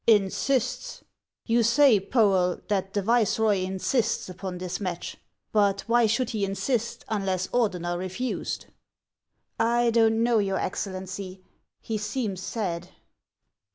" Insists ! You say, Poel, that the viceroy insists upon this match ! But why should he insist unless Ordener refused ?"" I don't know, your Excellency. He seems sad."